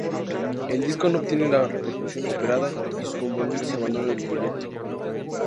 El disco no obtiene la repercusión esperada y sus componentes abandonan el proyecto.